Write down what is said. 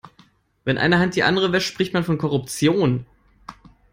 Wenn eine Hand die andere wäscht, spricht man von Korruption.